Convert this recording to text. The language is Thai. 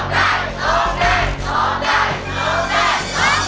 ร้องได้